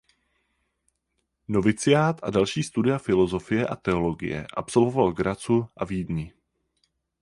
Noviciát a další studia filozofie a teologie absolvoval v Grazu a Vídni.